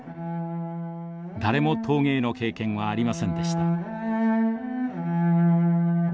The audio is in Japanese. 誰も陶芸の経験はありませんでした。